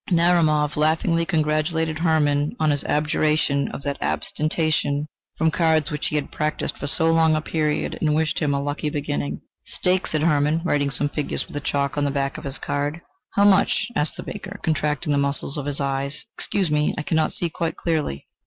Narumov laughingly congratulated Hermann on his abjuration of that abstention from cards which he had practised for so long a period, and wished him a lucky beginning. "Stake!" said Hermann, writing some figures with chalk on the back of his card. "How much?" asked the banker, contracting the muscles of his eyes; "excuse me, I cannot see quite clearly."